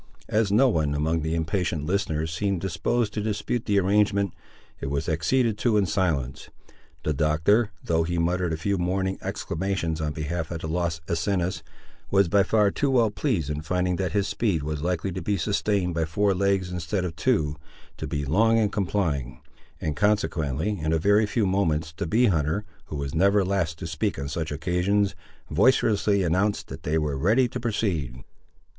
As no one among the impatient listeners seemed disposed to dispute the arrangement, it was acceded to in silence. The Doctor, though he muttered a few mourning exclamations on behalf of the lost Asinus, was by far too well pleased in finding that his speed was likely to be sustained by four legs instead of two, to be long in complying: and, consequently, in a very few moments the bee hunter, who was never last to speak on such occasions, vociferously announced that they were ready to proceed.